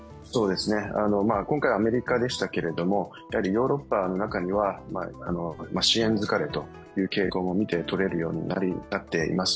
今回はアメリカでしたがヨーロッパの中には支援疲れという傾向も見てとれるようになっています。